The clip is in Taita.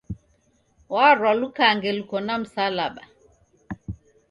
Warwa lukange luko na msalaba